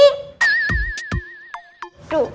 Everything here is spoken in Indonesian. masal yang perlu sama kiki